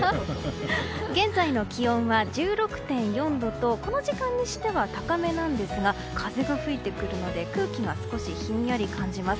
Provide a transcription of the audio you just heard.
現在の気温は１６．４度とこの時間にしては高めなんですが風が吹いてくるので空気が少しひんやり感じます。